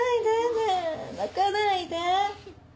ねえ泣かないで。